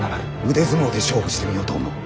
腕相撲で勝負してみようと思う。